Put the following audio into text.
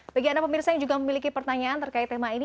bagi anda pemirsa yang juga memiliki pertanyaan terkait tema ini